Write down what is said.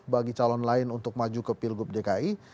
bagi calon lain untuk maju ke pilgub dki